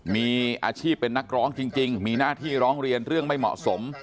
มีอาชีพเป็นนักร้องจริงมีหน้าที่ร้องเรียนเรื่องไม่เหมาะสม